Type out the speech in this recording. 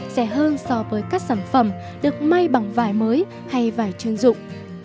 rẻ hơn so với các sản phẩm được may bằng vải mới hay vải chuyên dụng